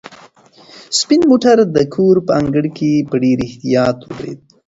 سپین موټر د کور په انګړ کې په ډېر احتیاط ودرېد.